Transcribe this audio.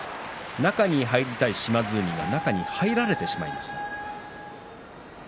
中に入りたい島津海が中に入られてしまいました。